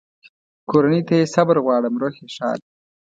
کورنۍ ته یې صبر غواړم، روح یې ښاد.